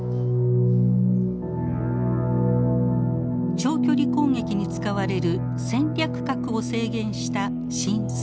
長距離攻撃に使われる戦略核を制限した新ＳＴＡＲＴ。